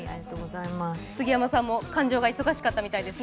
杉山さんも感情が忙しかったみたいで。